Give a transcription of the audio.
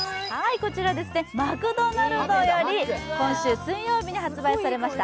マクドナルドより、今週水曜日に発売されました